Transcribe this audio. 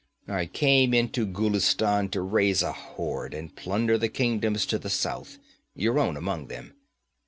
'I came into Ghulistan to raise a horde and plunder the kingdoms to the south your own among them.